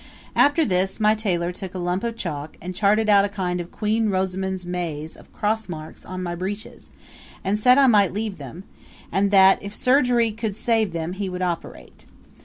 After this my tailor took a lump of chalk and charted out a kind of Queen Rosamond's maze of crossmarks on my breeches and said I might leave them, and that if surgery could save them he would operate.